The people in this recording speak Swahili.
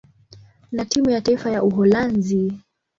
na timu ya taifa ya Uholanzi.